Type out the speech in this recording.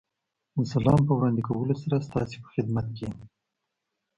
د سلام په وړاندې کولو سره ستاسې په خدمت کې یم.